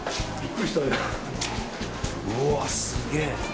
うわ、すげえ。